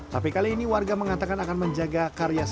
tapi kali ini warga mengatakan akan menjaga karya seni